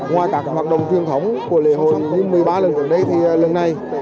ngoài các hoạt động truyền thống của lễ hội như một mươi ba lần trước đây thì lần này